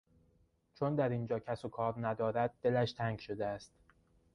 چون در اینجا کس و کار ندارد دلش تنگ شده است.